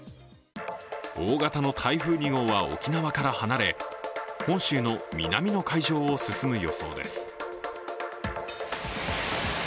大型の台風２号は沖縄から離れ、本州の南の海上を進む予想です。